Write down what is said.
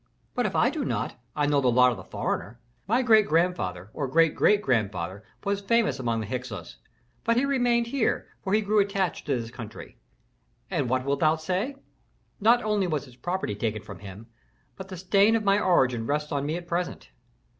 "But if I do not, I know the lot of the foreigner. My great grandfather or great great grandfather was famous among the Hyksos, but he remained here, for he grew attached to this country. And what wilt thou say? Not only was his property taken from him, but the stain of my origin rests on me at present.